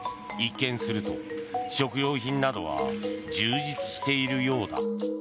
一見すると、食料品などは充実しているようだ。